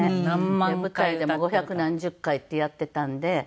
舞台でも五百何十回ってやっていたんで。